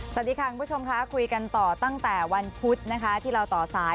สวัสดีค่ะคุณผู้ชมค่ะคุยกันต่อตั้งแต่วันพุธนะคะที่เราต่อสาย